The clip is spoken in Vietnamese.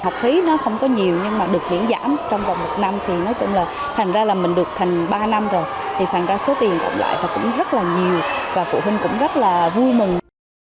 học phí nó không có nhiều nhưng mà được miễn giảm trong vòng một năm thì nói tưởng là thành ra là mình được thành ba năm rồi thì thành ra số tiền cộng lại và cũng rất là nhiều và phụ huynh cũng rất là vui mừng